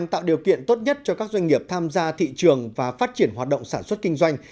tạo điều kiện tốt nhất cho các doanh nghiệp tham gia thị trường và phát triển hoạt động sản xuất kinh doanh